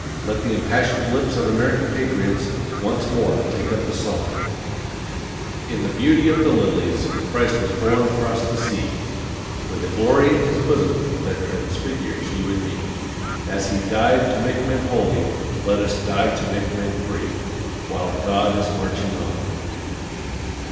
Let the impassioned lips of American patriots once more take up the song: "In the beauty of the lilies, Christ was born across the sea. With a glory in His bosom that transfigures you and me; As He died to make men holy, let us die to make men free. While God is marching on."